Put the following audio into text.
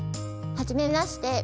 はじめまして。